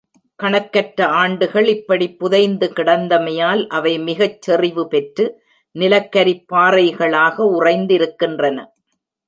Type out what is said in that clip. கணக்கற்ற ஆண்டுகள் இப்படிப் புதைந்து கிடந்தமையால் அவை மிகச் செறிவு பெற்று நிலக்கரிப் பாறைகளாக உறைந்திருக்கின்றன.